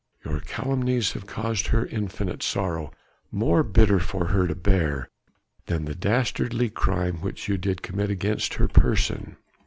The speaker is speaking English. Your calumnies have caused her infinite sorrow more bitter for her to bear than the dastardly crime which you did commit against her person.